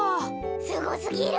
すごすぎる。